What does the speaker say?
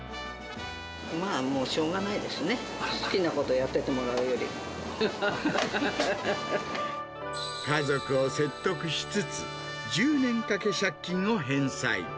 まあ、もうしょうがないですね、家族を説得しつつ、１０年かけ借金を返済。